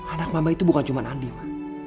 anak mama itu bukan cuma andi ma